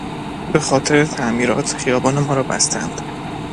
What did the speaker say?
به خاطر تعمیرات، خیابان ما را بستهاند.